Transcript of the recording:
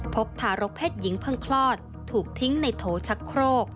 พบทารกเพศหญิงเพิ่งคลอดถูกทิ้งในโถชักโครก